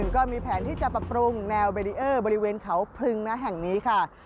ก็มีแผนที่จะปรับปรุงแนวเบรีเออร์บริเวณเขาพลึงนะแห่งนี้ค่ะ